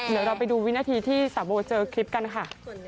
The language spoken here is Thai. เดี๋ยวเราไปดูวินาทีที่สาโบเจอคลิปกันค่ะ